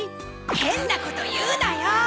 変なこと言うなよ！